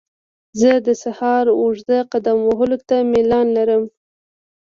زه د سهار اوږده قدم وهلو ته میلان لرم.